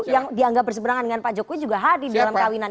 yang dianggap berseberangan dengan pak jokowi juga hadir dalam kawinan